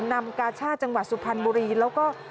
นำกาชาติจังหวัดสุพรรณบุรีแล้วก็